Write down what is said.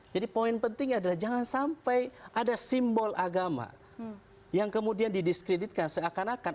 jadi poin penting adalah jangan sampai ada simbol agama yang kemudian didiskreditkan seakan akan